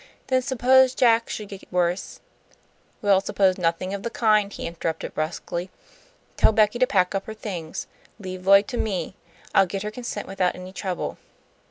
Then suppose Jack should get worse " "We'll suppose nothing of the kind," he interrupted, brusquely. "Tell Becky to pack up her things. Leave Lloyd to me. I'll get her consent without any trouble."